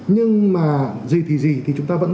nhưng mà gì thì gì thì chúng ta vẫn